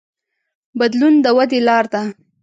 بدلون د ودې لار ده.